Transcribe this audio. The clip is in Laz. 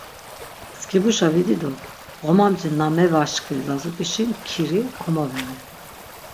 Mskibuşa vidi do ğomamci na mevaşkvi lazut̆uşi mkiri komoviği.